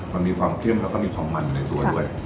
มันมีความเข้มแล้วก็มีความมันอยู่ในตัวด้วย